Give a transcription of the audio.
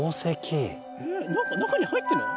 何か中に入ってるの？